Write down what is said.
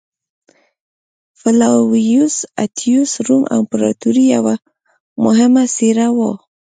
فلاویوس اتیوس روم امپراتورۍ یوه مهمه څېره وه